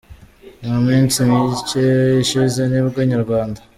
Mu minsi micye ishize, nibwo Inyarwanda.